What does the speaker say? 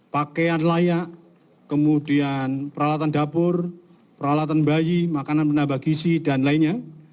pakaian layak kemudian peralatan dapur peralatan bayi makanan penambah gisi dan lainnya